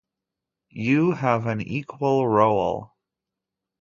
You have an equal role.